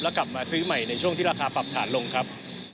แล้วกลับมาซื้อใหม่ในช่วงที่ราคาปรับฐานลงครับ